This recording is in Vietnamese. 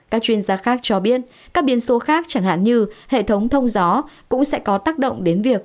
các chuyên gia khác cho biết các biến số khác chẳng hạn như hệ thống thông gió cũng sẽ có tác động đến việc